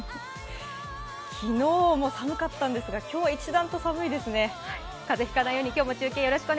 昨日も寒かったんですが今日は一段と寒いですね。